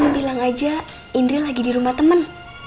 bilang aja indri lagi di rumah teman